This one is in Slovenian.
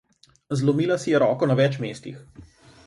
Zlomila si je roko na več mestih.